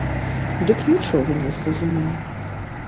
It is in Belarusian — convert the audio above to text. Дык нічога не зразумеў.